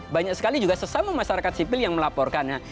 banyak sekali juga sesama masyarakat sipil yang melaporkannya